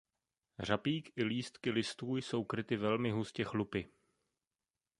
Řapík i lístky listů jsou kryty velmi hustě chlupy.